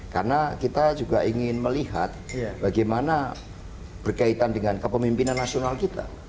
karena kita juga ingin melihat bagaimana berkaitan dengan kepemimpinan nasional kita